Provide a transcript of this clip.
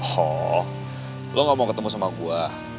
hah lo gak mau ketemu sama gue